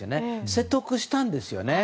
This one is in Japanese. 説得したんですよね。